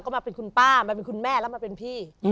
ก็มาเป็นคุณป้ามาเป็นคุณแม่แล้วมาเป็นพี่